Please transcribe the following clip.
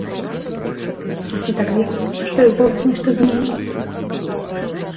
Усе так вераць, што іх голас нешта зменіць?